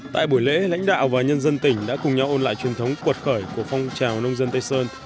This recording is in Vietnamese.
tại buổi lễ lãnh đạo và nhân dân tỉnh đã cùng nhau ôn lại truyền thống cuột khởi của phong trào nông dân tây sơn